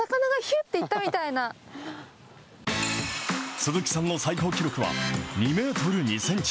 鈴木さんの最高記録は２メートル２センチ。